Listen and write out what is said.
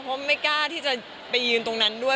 เพราะไม่กล้าที่จะไปยืนตรงนั้นด้วย